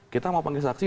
kita mau panggil saksi